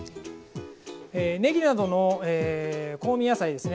ねぎなどの香味野菜ですね。